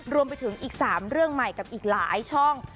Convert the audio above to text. รวมไปถึงอีก๓เรื่องใหม่กับอีกหลายช่อง